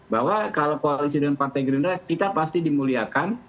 bahwa kalau koalisi dengan partai gerindra kita pasti dimuliakan